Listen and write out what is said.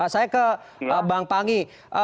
saya ke bang panggi